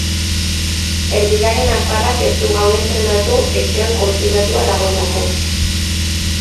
Erdilari nafarrak ez du gaur entrenatu etxean konfinatuta dagoelako.